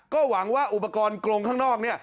ก็หวังว่าอุปกรณ์กรงข้างนอกเนี่ย